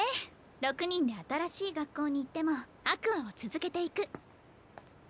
６人で新しい学校に行ってもＡｑｏｕｒｓを続けていく。